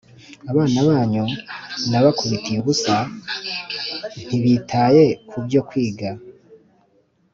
Abana banyu nabakubitiye ubusa ntibitaye ku byo kwiga